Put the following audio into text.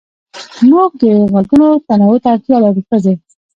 موږ د غږونو تنوع ته اړتيا لرو ښځې